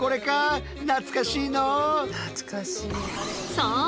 そう！